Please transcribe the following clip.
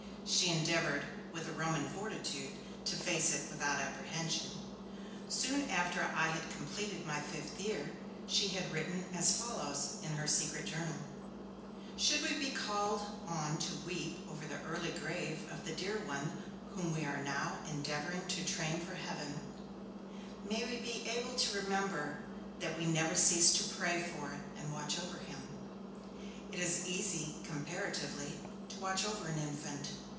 She endeavoured, with a Roman fortitude, to face it without apprehension. Soon after I had completed my fifth year, she had written as follows in her secret journal: 'Should we be called on to weep over the early grave of the dear one whom now we are endeavouring to train for heaven, may we be able to remember that we never ceased to pray for and watch over him. It is easy, comparatively, to watch over an infant.